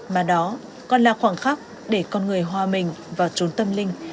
mà đó còn là khoảng khắc để con người hòa mình và trốn tâm linh